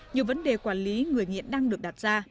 nhiều vấn đề quản lý người nghiện đang được đặt ra